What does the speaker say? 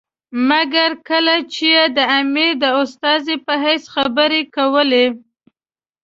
مګر کله چې یې د امیر د استازي په حیث خبرې کولې.